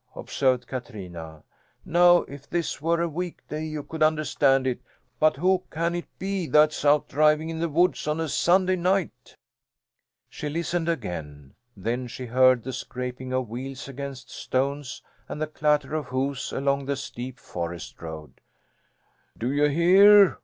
observed Katrina. "Now if this were a weekday you could understand it; but who can it be that's out driving in the woods on a Sunday night?" She listened again. Then she heard the scraping of wheels against stones and the clatter of hoofs along the steep forest road. "Do you hear?"